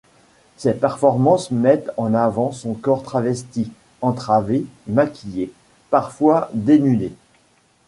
Ses performances mettent en avant son corps travestis, entravé, maquillé, parfois dénudé.